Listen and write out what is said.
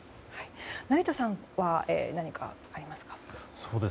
成田さんは何かありますか？